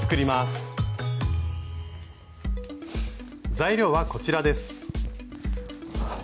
材料はこちらです。